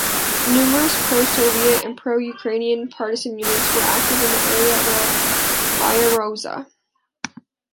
Numerous pro-Soviet and pro-Ukrainian partisan units were active in the area around Byaroza.